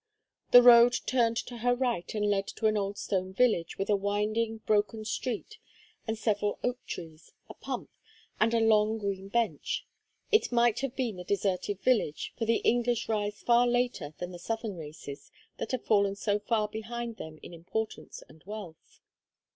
The road turned to her right and led to an old stone village with a winding broken street and several oak trees, a pump, and a long green bench. It might have been the Deserted Village, for the English rise far later than the Southern races that have fallen so far behind them in importance and wealth.